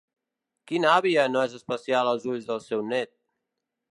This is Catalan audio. Quina àvia no és especial als ulls del seu net?